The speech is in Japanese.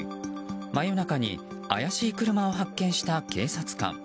真夜中に怪しい車を発見した警察官。